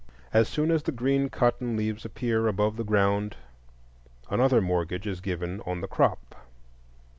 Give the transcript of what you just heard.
As soon as the green cotton leaves appear above the ground, another mortgage is given on the "crop."